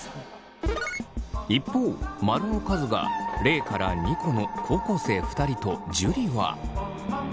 一方マルの数が０２個の高校生２人と樹は。